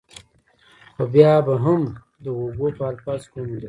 خو بيا به هم د هوګو په الفاظو کې وموندل شي.